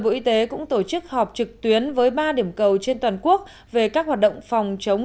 bộ y tế cũng tổ chức họp trực tuyến với ba điểm cầu trên toàn quốc về các hoạt động phòng chống